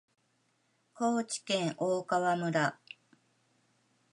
高知県大川村